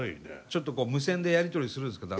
ちょっと無線でやり取りするんですか？